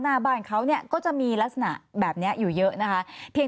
หน้าบ้านเขาเนี่ยก็จะมีลักษณะแบบนี้อยู่เยอะนะคะเพียง